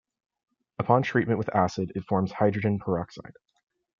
Upon treatment with acid, it forms hydrogen peroxide.